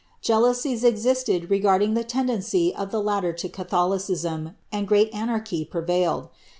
Jealousies existed regarding the tendency of the latter to Catholicism, and great anarchy prevailed.